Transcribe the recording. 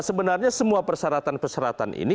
sebenarnya semua persyaratan persyaratan ini